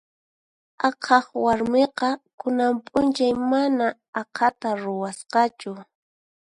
Aqhaq warmiqa kunan p'unchay mana aqhata ruwasqachu.